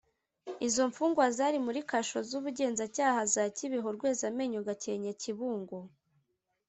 Izo mfungwa zari muri kasho z ubugenzacyaha za kibeho rwezamenyo gakenke kibungo